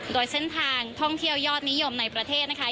โดยเส้นทางท่องเที่ยวยอดนิยมในประเทศนะคะ